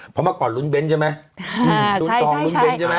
เพราะมาก่อนรุ่นเบนใช่ไหมรุ่นทองรุ่นเบนใช่ไหม